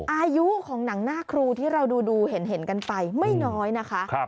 อายุของหนังหน้าครูที่เราดูเห็นกันไปไม่น้อยนะคะ